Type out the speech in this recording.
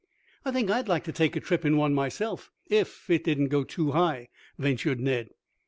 "I think I'd like to take a trip in one myself, if it didn't go too high," ventured Ned.